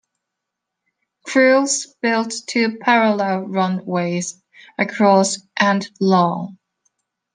Crews built two parallel runways, across and long.